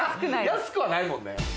安くはないもんね。